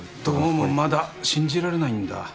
どうもまだ信じられないんだ。